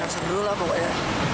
seru lah pokoknya